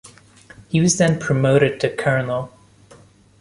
He was then promoted to colonel.